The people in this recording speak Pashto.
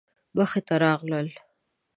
مخې ته راغلل.